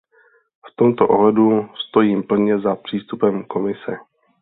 V tomto ohledu stojím plně za přístupem Komise.